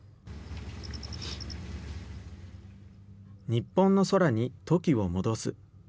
日本の空にトキを戻す。